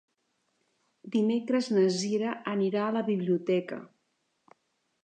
Dimecres na Cira anirà a la biblioteca.